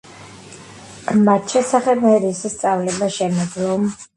მათ შესახებ მე რისი სწავლება შემეძლო?